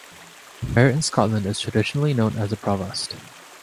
A mayor in Scotland is traditionally known as a provost.